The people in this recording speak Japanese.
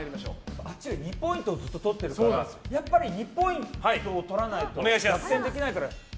あっちは２ポイントずっととってるからやっぱり２ポイントを取らないと逆転できないから。